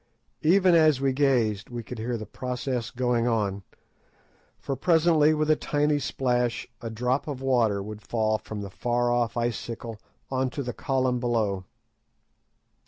Even as we gazed we could hear the process going on, for presently with a tiny splash a drop of water would fall from the far off icicle on to the column below.